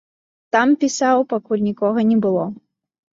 Там пісаў, пакуль нікога не было.